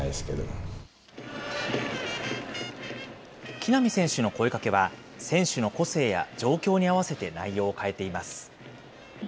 木浪選手の声かけは、選手の個性や状況に合わせて内容を変えています。